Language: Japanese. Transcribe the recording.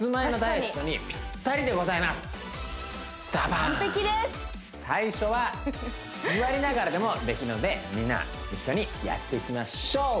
完璧です最初は座りながらでもできるのでみんな一緒にやっていきましょう！